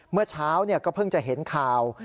เมื่อเช้าก็เพิ่งจะเห็นข่าว